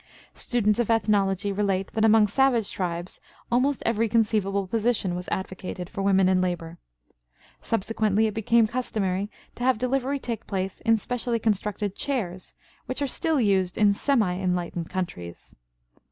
Students of ethnology relate that among savage tribes almost every conceivable position was advocated for women in labor. Subsequently it became customary to have delivery take place in specially constructed chairs which are still used in semi enlightened countries.